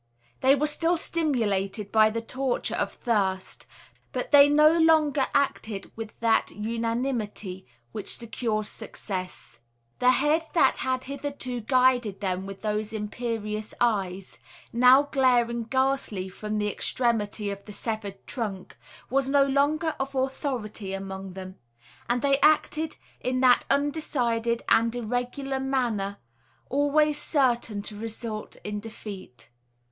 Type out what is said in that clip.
They were still stimulated by the torture of thirst; but they no longer acted with that unanimity which secures success. The head that had hitherto guided them with those imperious eyes now glaring ghastly from the extremity of the severed trunk was no longer of authority among them; and they acted in that undecided and irregular manner always certain to result in defeat.